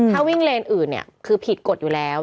ถ้าวิ่งเลนอื่นเนี่ยคือผิดกฎอยู่แล้ว